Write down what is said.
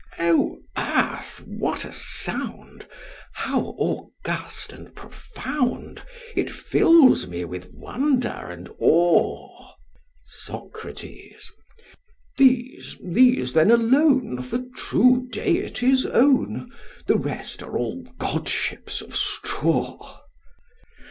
Oh earth! what a sound, how august and profound! It fills me with wonder and awe. SOCRATES. These, these then alone, for true Deities own, the rest are all God ships of straw.